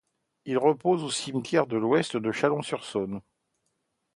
Il repose au cimetière de l'ouest de Chalon-sur-Saône.